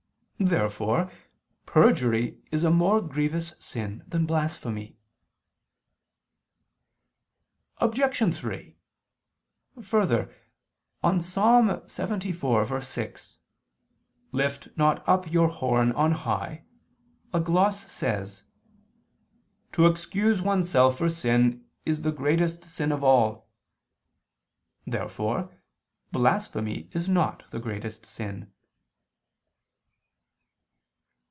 Therefore perjury is a more grievous sin than blasphemy. Obj. 3: Further, on Ps. 74:6, "Lift not up your horn on high," a gloss says: "To excuse oneself for sin is the greatest sin of all." Therefore blasphemy is not the greatest sin.